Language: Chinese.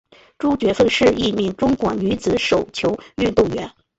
朱觉凤是一名中国女子手球运动员。